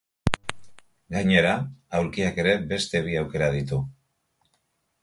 Gainera, aulkiak ere beste bi aukera ditu.